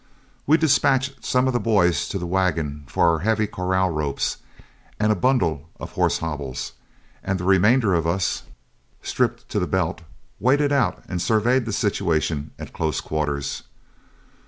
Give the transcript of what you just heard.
We dispatched some of the boys to the wagon for our heavy corral ropes and a bundle of horse hobbles; and the remainder of us, stripped to the belt, waded out and surveyed the situation at close quarters.